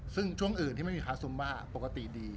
ซึ่งช่วงอื่นที่ไม่มีค้าซุมบ้าปกติดี